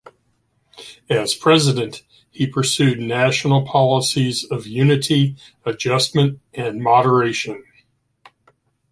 As president, he pursued national policies of unity, adjustment, and moderation.